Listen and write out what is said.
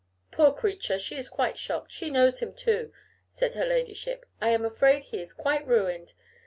'Poor creature! she is quite shocked. She knows him, too,' said her ladyship. 'I am afraid he is quite ruined.